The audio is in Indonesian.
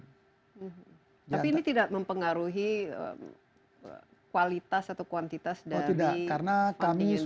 tapi ini tidak mempengaruhi kualitas atau kuantitas dari kontinu yang dimiliki oleh